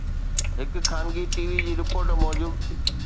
هڪ خانگي T V جي رپورٽ موجب